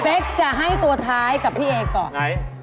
เฟกจะให้ตัวท้ายกับพี่เองก่อน